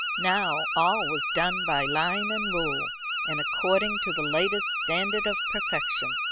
Now all was done by line and rule, and according to the latest standard of perfection.